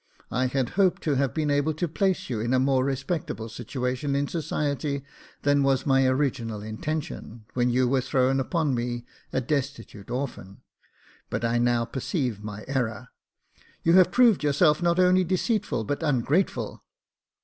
I had hoped to have been able to place you in a more respectable situation in society than was my original intention when you were thrown upon me a destitute orphan ; but I now perceive my error. You have proved yourself not only deceitful but ungrateful."